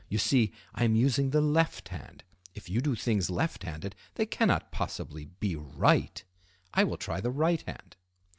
You see, I am using the left hand; if you do things left handed they cannot possibly be right. I will try the right hand."